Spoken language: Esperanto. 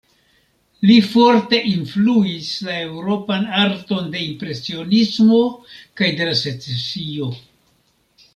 Li forte influis la eŭropan arton de la Impresionismo kaj de la Secesio.